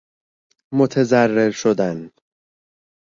متضرر شدن